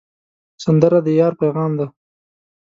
سندره د یار پیغام دی